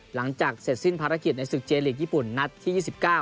หลังจากเสร็จสิ้นภารกิจในศึกเจลีกญี่ปุ่นนัดที่๒๙